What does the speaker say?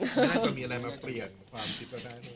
ท่านคงมีอันอะไรมาเปลี่ยนความคิดตัวด้วย